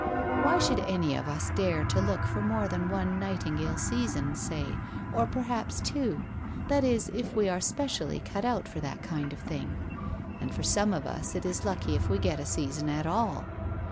Why should, any of us dare to look for more than one nightingale season, say, or perhaps two — that is, if we are specially cut out for that kind of thing? And for some of us it is lucky if we get a season at all